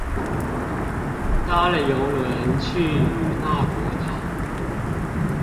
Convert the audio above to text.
搭了郵輪去與那國島